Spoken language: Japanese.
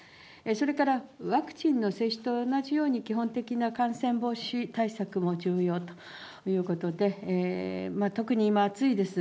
それからワクチンの接種と同じように、基本的な感染防止対策も重要ということで、特に今、暑いです。